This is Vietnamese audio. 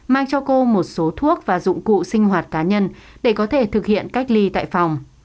mang cho cô một số thuốc và dụng cụ sinh hoạt cá nhân để có thể thực hiện cách ly tại phòng